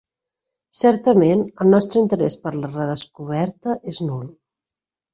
Certament, el nostre interès per la redescoberta és nul.